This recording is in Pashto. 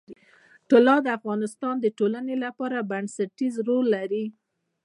طلا د افغانستان د ټولنې لپاره بنسټيز رول لري.